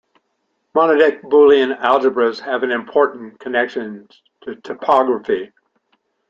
Monadic Boolean algebras have an important connection to topology.